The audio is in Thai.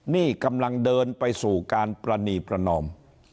นี่กำลังเดินไปสู่การประนีประนอม